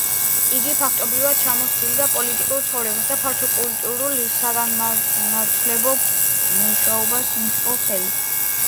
იგი ფაქტობრივად ჩამოსცილდა პოლიტიკურ ცხოვრებას და ფართო კულტურულ-საგანმანათლებლო მუშაობას მიჰყო ხელი.